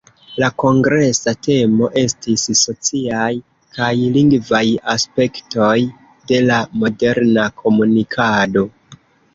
La kongresa temo estis "Sociaj kaj lingvaj aspektoj de la moderna komunikado".